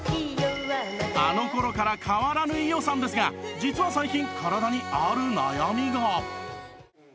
あの頃から変わらぬ伊代さんですが実は最近体にある悩みが